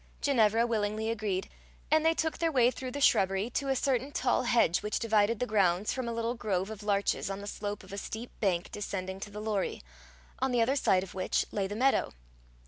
Ginevra willingly agreed, and they took their way through the shrubbery to a certain tall hedge which divided the grounds from a little grove of larches on the slope of a steep bank descending to the Lorrie, on the other side of which lay the meadow.